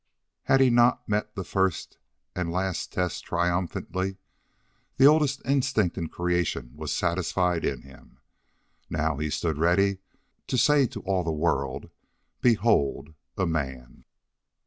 Had he not met the first and last test triumphantly? The oldest instinct in creation was satisfied in him. Now he stood ready to say to all the world: Behold, a man!